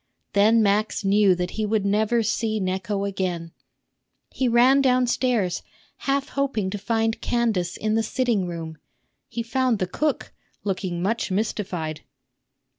Then Max knew that he would never see Necho again. He ran downstairs, half hoping to find Candace in the sitting room. He found the cook, looking much mystified.